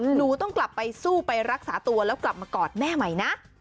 หนูต้องกลับไปสู้ไปรักษาตัวแล้วกลับมากอดแม่ใหม่นะ